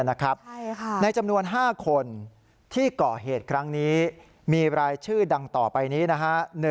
ในจำนวน๕คนที่ก่อเหตุครั้งนี้มีรายชื่อดังต่อไปนี้นะฮะ